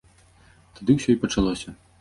Тады ўсё і пачалося.